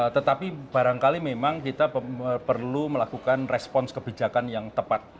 tetapi barangkali memang kita perlu melakukan respons kebijakan yang tepat